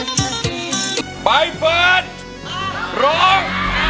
งานดอกปลายเมืองเลยเราได้เจอกันฝากสัมพันธ์ร้าแม่เลื่อนฟื้น